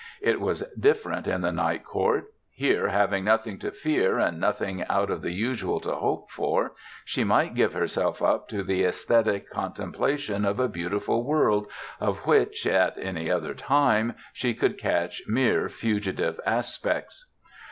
It was different in the Night Court. Here, having nothing to fear and nothing out of the usual to hope for, she might give herself up to the esthetic contemplation of a beautiful world of which, at any other time, she could catch mere fugitive aspects.